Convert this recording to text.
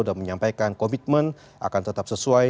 dan menyampaikan komitmen akan tetap sesuai